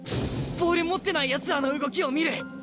ボール持ってないやつらの動きを見る。